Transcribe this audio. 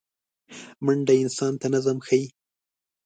منډه انسان ته نظم ښيي